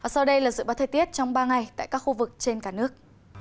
sau đây là dự báo thời tiết trong ba ngày tại các khu vực trên cả nước